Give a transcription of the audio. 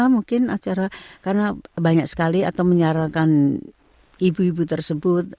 mungkin acara karena banyak sekali atau menyarankan ibu ibu tersebut